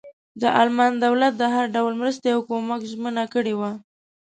د المان دولت د هر ډول مرستې او کمک ژمنه کړې وه.